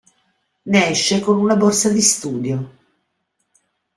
Ne esce con una borsa di studio.